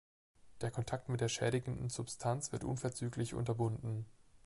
Der Kontakt mit der schädigenden Substanz wird unverzüglich unterbunden.